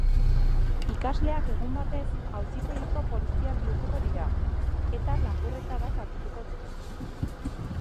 Ikasleak egun batez auzitegiko polizia bihurtuko dira eta lapurreta bat argituko dute